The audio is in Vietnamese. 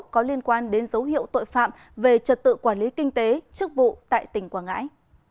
có liên quan đến dấu hiệu tội phạm về trật tự quản lý kinh tế chức vụ tại tỉnh quảng ngãi